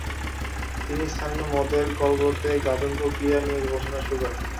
তিনি স্থানীয় মদের কলগুলোতে গাঁজন প্রক্রিয়া নিয়ে গবেষণা শুরু করেন।